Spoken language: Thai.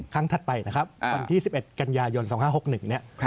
ถัดไปนะครับวันที่๑๑กันยายน๒๕๖๑เนี่ย